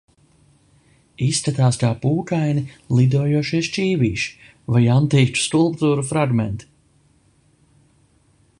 Izskatās kā pūkaini lidojošie šķīvīši vai antīku skulptūru fragmenti.